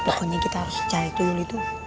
pokoknya kita harus cari tuyul itu